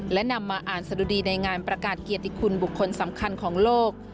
และนำมาอ่านสะดุดีในงานประกาศเกียรติคุณบุคคลสำคัญของโลก